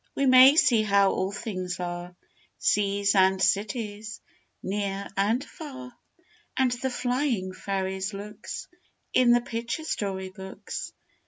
We may see how all things are, Seas and cities, near and far, And the flying fairies' looks, In the picture story books.